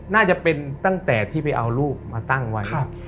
น่าจะเป็นตั้งแต่ที่ไปเอารูปมาตั้งไว้